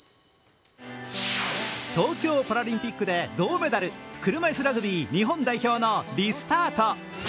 東京パラリンピックで銅メダル、車いすラグビー日本代表のリスタート。